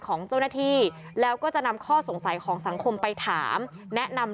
ของเจ้าหน้าที่แล้วก็จะนำข้อสงสัยของสังคมไปถามแนะนำ